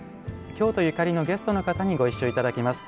京都ゆかりのゲストの方にご一緒いただきます。